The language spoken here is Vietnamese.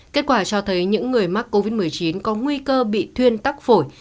kết quả cho thấy những người mắc covid một mươi chín có nguy cơ bị thuyên tắc phổi